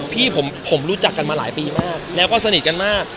พี่ผมรู้จักกันมาหลายปีมากแล้วก็สนิทกันมาก